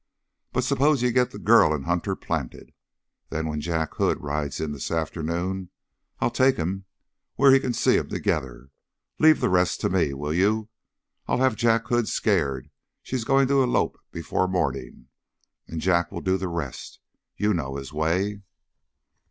But suppose you get the girl and Hunter planted? Then when Jack Hood rides in this afternoon, I'll take him where he can see 'em together. Leave the rest to me. Will you? I'll have Jack Hood scared she's going to elope before morning, and Jack will do the rest. You know his way."